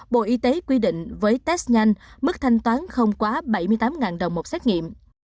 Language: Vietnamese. bộ y tế quy định với test nhanh mức thanh toán không quá bảy mươi tám đồng một xét nghiệm